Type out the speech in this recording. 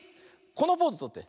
このポーズとって。